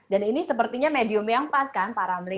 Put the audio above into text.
dan ini sepertinya medium yang pas kan pak ramli